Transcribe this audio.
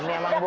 ini emang bu